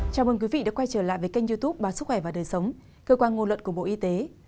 chào mừng quý vị đã quay trở lại với kênh youtube báo sức khỏe và đời sống cơ quan ngôn luận của bộ y tế